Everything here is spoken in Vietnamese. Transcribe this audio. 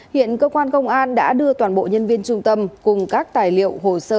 hiện cơ quan công an đã đưa toàn bộ nhân viên trung tâm cùng các tài liệu hồ sơ